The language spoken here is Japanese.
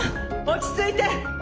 落ち着いて！